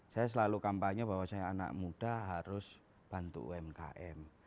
saya selalu kampanye bahwa saya anak muda harus bantu umkm